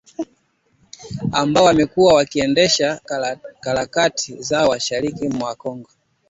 ambao wamekuwa wakiendesha harakati zao mashariki mwa Kongo